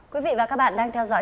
quý vị và các bạn đang theo dõi